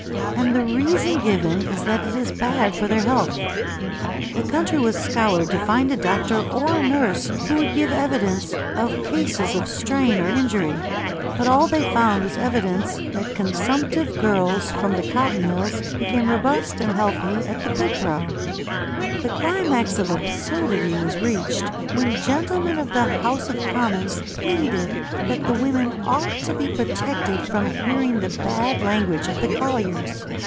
And the reason given is that it is bad for their health. The country was scoured to find a doctor or a nurse who would give evidence of cases of strain or injury, but all they found was evidence that consumptive girls from the cotton mills became robust and healthy at the pit brow. The climax of absurdity was reached when gentlemen of the House of Commons pleaded that the women ought to be protected from hearing the bad language of the colliers.